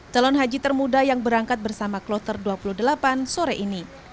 calon haji termuda yang berangkat bersama kloter dua puluh delapan sore ini